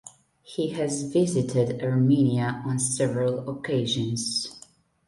He has visited Armenia on several occasions.